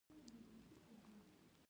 هغه ځینې پښتو کلمې درنې بولي.